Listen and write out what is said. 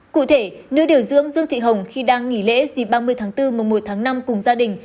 cụ thể nữ điều dưỡng dương thị hồng khi đang nghỉ lễ dịp ba mươi tháng bốn mùa một tháng năm cùng gia đình